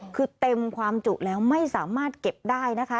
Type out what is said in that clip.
คือเต็มความจุแล้วไม่สามารถเก็บได้นะคะ